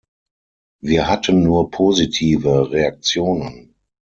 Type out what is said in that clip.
Wir hatten nur positive Reaktionen.